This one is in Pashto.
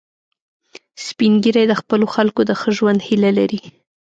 سپین ږیری د خپلو خلکو د ښه ژوند هیله لري